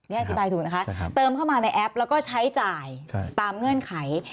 นี่อธิบายถูกนะคะเติมเข้ามาในแอปแล้วก็ใช้จ่ายตามเงื่อนไข